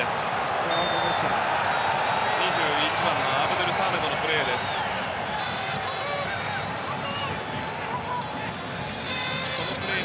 ２１番のアブドゥルサメドのプレー。